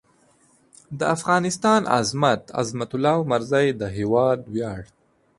د افغانستان عظمت؛ عظمت الله عمرزی د هېواد وېاړ